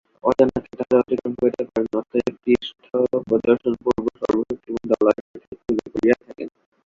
অজানাকে তাঁহারা অতিক্রম করিতে পারেন না, অতএব পৃষ্ঠপ্রদর্শনপূর্বক সর্বশক্তিমান ডলারকেই পূজা করিয়া থাকেন।